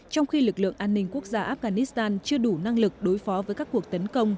trong khi lực lượng an ninh quốc gia afghanistan chưa đủ năng lực đối phó với các cuộc tấn công